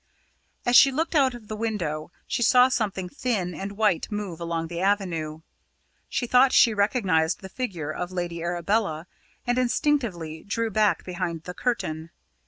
As she looked out of the window, she saw something thin and white move along the avenue. She thought she recognised the figure of Lady Arabella, and instinctively drew back behind the curtain.